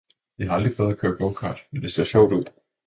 Jeg har aldrig prøvet at køre gokart, men det ser sjovt ud!